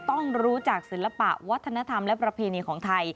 ต้องรู้จักศิลปะวัฒนธรรมและประเพณีของไทย